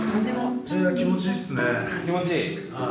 気持ちいいっすねはい。